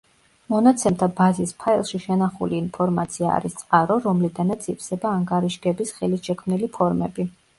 მონაცემთა ბაზის ფაილში შენახული ინფორმაცია არის წყარო რომლიდანაც ივსება ანგარიშგების ხელით შექმნილი ფორმები.